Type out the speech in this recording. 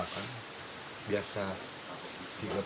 kerja di refugee camp